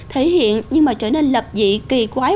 thể hiện nhưng mà trở nên lập dị kỳ quái